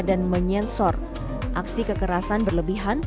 dan menyensor aksi kekerasan berlebihan